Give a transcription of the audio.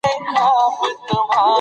بې ځایه د ګناه احساس شته.